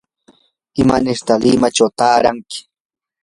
¿imanirta limachaw taaranki?